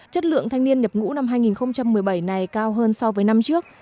chất lượng thanh niên nhập ngũ năm hai nghìn một mươi bảy này cao hơn so với năm trước